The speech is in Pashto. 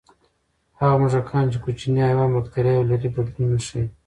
هغه موږکان چې کوچني حیوان بکتریاوې لري، بدلون نه ښيي.